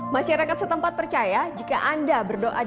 masyarakat setempat percaya